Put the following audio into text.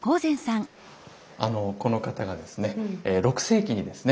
あのこの方がですね６世紀にですね